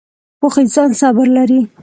پوخ انسان صبر لري